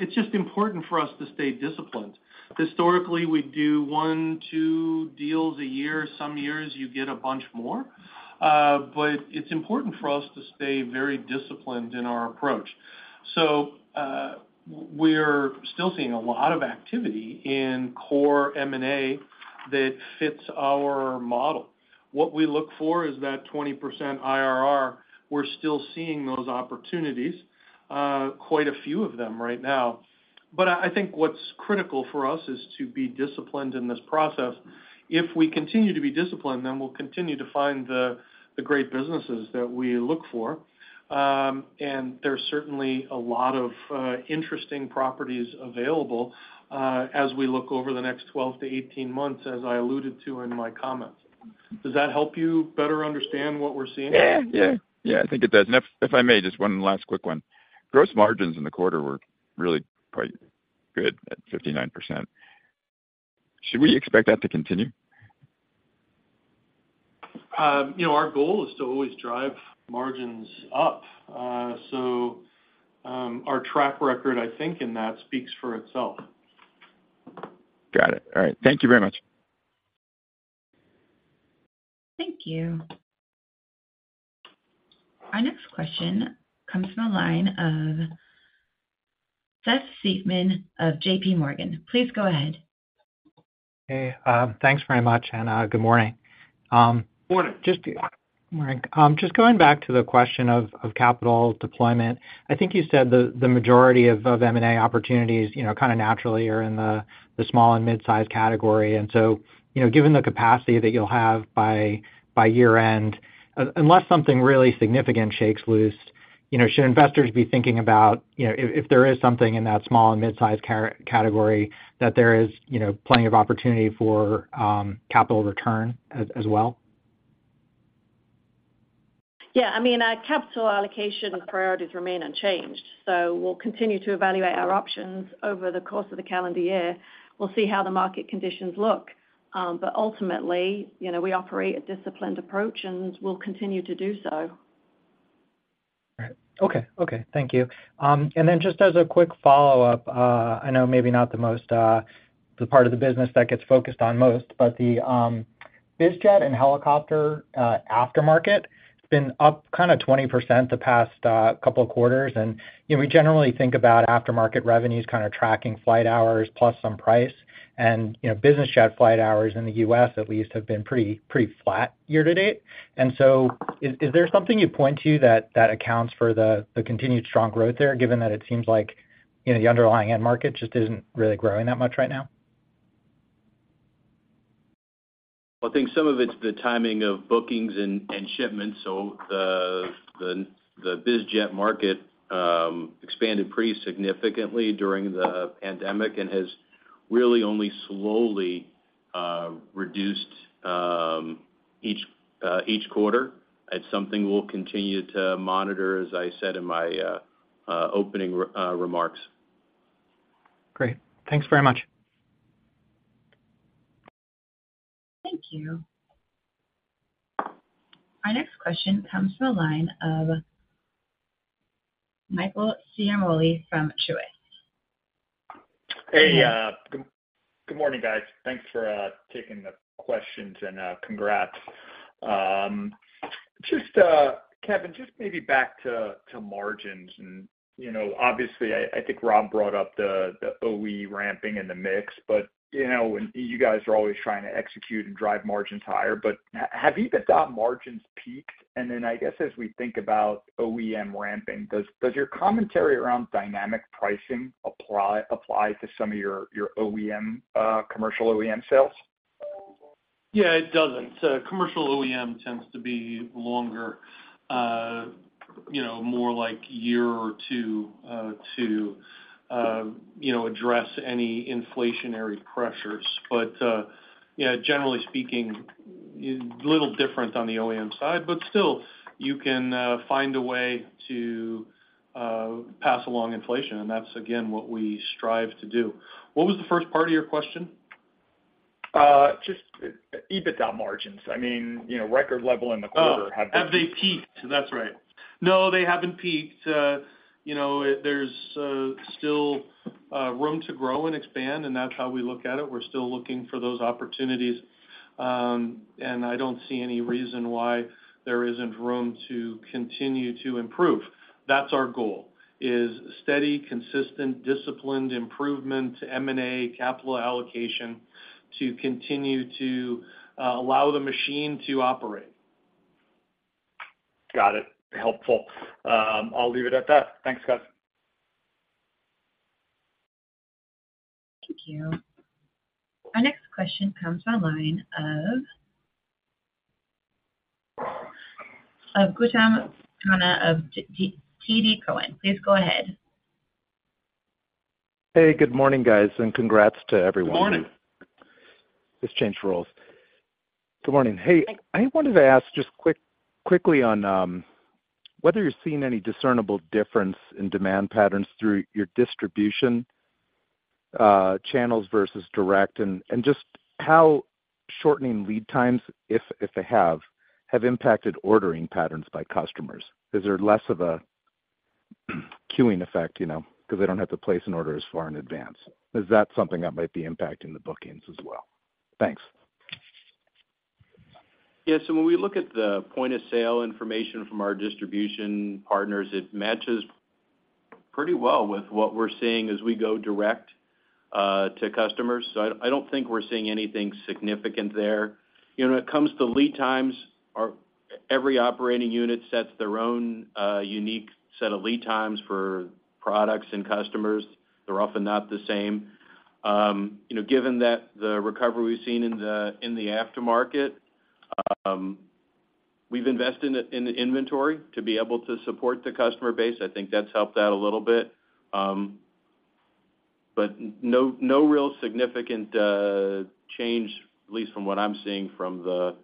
It's just important for us to stay disciplined. Historically, we do one, two deals a year. Some years you get a bunch more. It's important for us to stay very disciplined in our approach. We're still seeing a lot of activity in core M&A that fits our model. What we look for is that 20% IRR. We're still seeing those opportunities, quite a few of them right now. I, I think what's critical for us is to be disciplined in this process. If we continue to be disciplined, then we'll continue to find the, the great businesses that we look for. There's certainly a lot of interesting properties available as we look over the next 12 to 18 months, as I alluded to in my comments. Does that help you better understand what we're seeing? Yeah. Yeah. Yeah, I think it does. If, if I may, just one last quick one. Gross margins in the quarter were really quite good at 59%. Should we expect that to continue? you know, our goal is to always drive margins up. Our track record, I think, in that speaks for itself. Got it. All right. Thank you very much. Thank you. Our next question comes from the line of Seth Seifman of JPMorgan. Please go ahead. Hey, thanks very much, and, good morning. Morning. Just, morning. Just going back to the question of, of capital deployment. I think you said the, the majority of, of M&A opportunities, you know, kind of naturally are in the, the small and mid-size category. And so, you know, given the capacity that you'll have by, by year-end, unless something really significant shakes loose, you know, should investors be thinking about, you know, if, if there is something in that small and mid-size category that there is, you know, plenty of opportunity for, capital return as, as well? Yeah, I mean, our capital allocation priorities remain unchanged. We'll continue to evaluate our options over the course of the calendar year. We'll see how the market conditions look. Ultimately, you know, we operate a disciplined approach, and we'll continue to do so. Right. Okay, thank you. Just as a quick follow-up, I know maybe not the most, the part of the business that gets focused on most, but the biz jet and helicopter aftermarket, it's been up kind of 20% the past couple of quarters. You know, we generally think about aftermarket revenues kind of tracking flight hours plus some price. You know, business jet flight hours in the U.S., at least, have been pretty, pretty flat year to date. Is there something you'd point to that, that accounts for the continued strong growth there, given that it seems like, you know, the underlying end market just isn't really growing that much right now? I think some of it's the timing of bookings and, and shipments. The biz jet market expanded pretty significantly during the pandemic and has really only slowly reduced each quarter. It's something we'll continue to monitor, as I said in my opening remarks. Great. Thanks very much. Thank you. Our next question comes from the line of Michael Ciarmoli from Truist. Hey, good, good morning, guys. Thanks for taking the questions, and congrats. Kevin, just maybe back to margins, and, you know, obviously, I think Rob brought up the OE ramping and the mix, but, you know, and you guys are always trying to execute and drive margins higher, but have EBITDA margins peaked? Then, I guess, as we think about OEM ramping, does your commentary around dynamic pricing apply to some of your OEM commercial OEM sales? Yeah, it doesn't. Commercial OEM tends to be longer, you know, more like a year or two, to, you know, address any inflationary pressures. Yeah, generally speaking, little different on the OEM side, but still you can find a way to pass along inflation, and that's, again, what we strive to do. What was the first part of your question? Just EBITDA margins. I mean, you know, record level in the quarter. Oh, have they peaked? That's right. No, they haven't peaked. you know, there's still room to grow and expand, and that's how we look at it. We're still looking for those opportunities, and I don't see any reason why there isn't room to continue to improve. That's our goal, is steady, consistent, disciplined improvement, M&A, capital allocation, to continue to allow the machine to operate. Got it. Helpful. I'll leave it at that. Thanks, guys. Thank you. Our next question comes from the line of Gautam Khanna of TD Cowen. Please go ahead. Hey, good morning, guys, and congrats to everyone. Good morning. Just changed roles. Good morning. Hey, I wanted to ask just quickly on whether you're seeing any discernible difference in demand patterns through your distribution channels versus direct, and, and just how shortening lead times, if, if they have, have impacted ordering patterns by customers. Is there less of a queuing effect, you know, because they don't have to place an order as far in advance? Is that something that might be impacting the bookings as well? Thanks. Yes, when we look at the point-of-sale information from our distribution partners, it matches pretty well with what we're seeing as we go direct to customers. I, I don't think we're seeing anything significant there. You know, when it comes to lead times, every operating unit sets their own unique set of lead times for products and customers. They're often not the same. You know, given that the recovery we've seen in the, in the aftermarket, we've invested in the, in the inventory to be able to support the customer base. I think that's helped out a little bit. No, no real significant change, at least from what I'm seeing, from the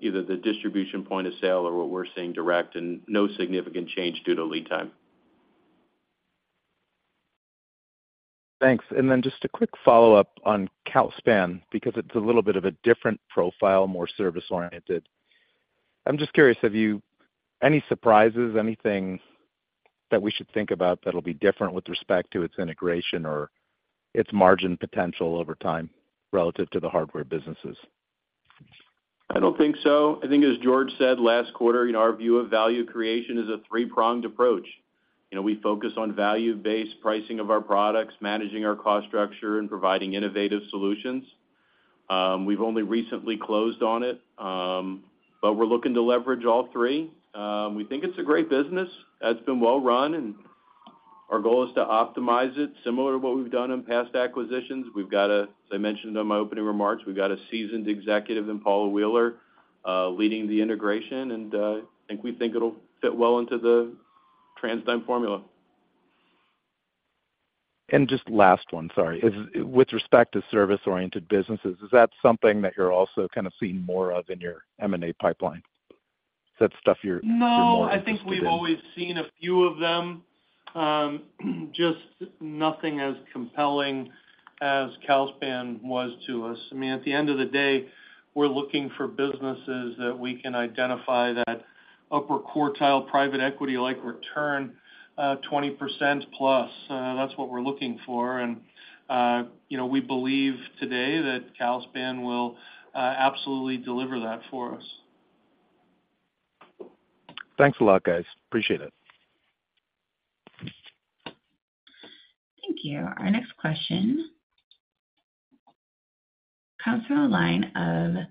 either the distribution point of sale or what we're seeing direct and no significant change due to lead time. Thanks. Then just a quick follow-up on Calspan, because it's a little bit of a different profile, more service-oriented. I'm just curious, have you -- any surprises, anything that we should think about that'll be different with respect to its integration or its margin potential over time relative to the hardware businesses? I don't think so. I think as Jorge said last quarter, you know, our view of value creation is a three-pronged approach. You know, we focus on value-based pricing of our products, managing our cost structure, and providing innovative solutions. We've only recently closed on it, but we're looking to leverage all three. We think it's a great business. It's been well run, and our goal is to optimize it, similar to what we've done in past acquisitions. We've got a, as I mentioned in my opening remarks, we've got a seasoned executive in Paula Wheeler, leading the integration, and I think we think it'll fit well into the TransDigm formula. Just last one, sorry. Is with respect to service-oriented businesses, is that something that you're also kind of seeing more of in your M&A pipeline? Is that stuff you're more interested in? No, I think we've always seen a few of them, just nothing as compelling as Calspan was to us. I mean, at the end of the day, we're looking for businesses that we can identify that upper quartile, private equity-like return, 20% plus. That's what we're looking for. You know, we believe today that Calspan will absolutely deliver that for us. Thanks a lot, guys. Appreciate it. Thank you. Our next question comes from the line of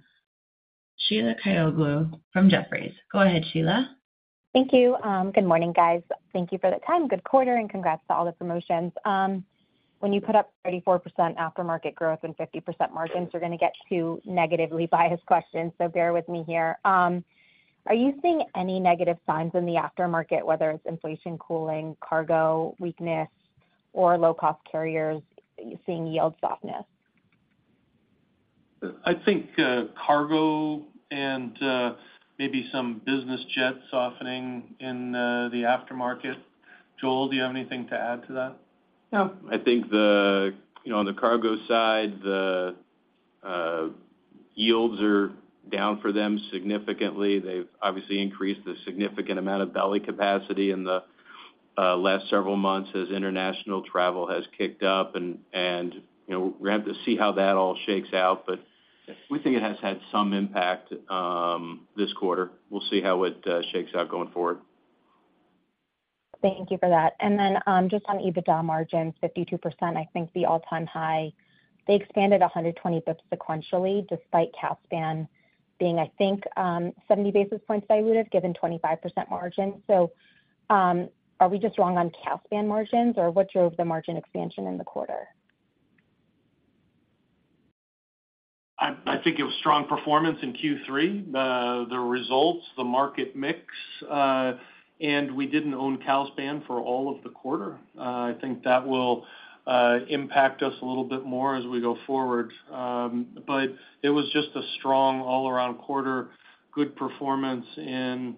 Sheila Kahyaoglu from Jefferies. Go ahead, Sheila. Thank you. Good morning, guys. Thank you for the time. Good quarter, and congrats to all the promotions. When you put up 34% aftermarket growth and 50% margins, you're gonna get two negatively biased questions, so bear with me here. Are you seeing any negative signs in the aftermarket, whether it's inflation cooling, cargo weakness, or low-cost carriers, are you seeing yield softness? I think, cargo and, maybe some business jets softening in, the aftermarket. Joel, do you have anything to add to that? No. I think the, you know, on the cargo side, the yields are down for them significantly. They've obviously increased the significant amount of belly capacity in the last several months as international travel has kicked up, and, you know, we have to see how that all shakes out. We think it has had some impact this quarter. We'll see how it shakes out going forward. Thank you for that. Just on EBITDA margins, 52%, I think the all-time high, they expanded 120 basis points sequentially, despite Calspan being, I think, 70 basis points dilutive, given 25% margin. Are we just wrong on Calspan margins, or what drove the margin expansion in the quarter? I think it was strong performance in Q3. The results, the market mix, and we didn't own Calspan for all of the quarter. I think that will impact us a little bit more as we go forward. It was just a strong all around quarter, good performance in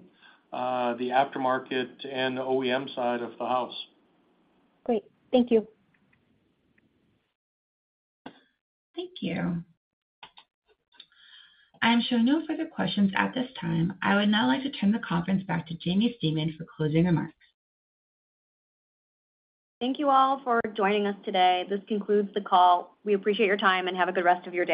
the aftermarket and the OEM side of the house. Great. Thank you. Thank you. I am showing no further questions at this time. I would now like to turn the conference back to Jaimie Stieman for closing remarks. Thank you all for joining us today. This concludes the call. We appreciate your time, and have a good rest of your day.